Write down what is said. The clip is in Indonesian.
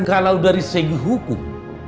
kalau dari segi hukum